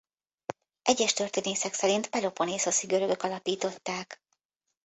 Egyes történészek szerint peloponnészoszi görögök alapították.